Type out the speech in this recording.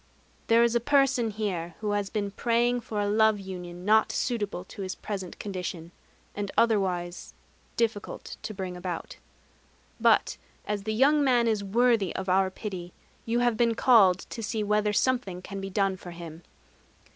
"There is a person here who has been praying for a love union not suitable to his present condition, and otherwise difficult to bring about. But as the young man is worthy of Our pity, you have been called to see whether something can be done for him.